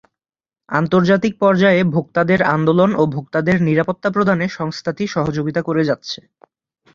আন্তর্জাতিক পর্যায়ে ভোক্তাদের আন্দোলন ও ভোক্তাদের নিরাপত্তা প্রদানে সংস্থাটি সহযোগিতা করে যাচ্ছে।